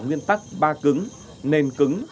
nguyên tắc ba cứng nền cứng